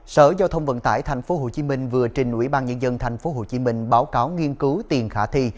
sở giao thông vận tải tp hcm vừa trình ubnd tp hcm báo cáo nghiên cứu tiền khả thi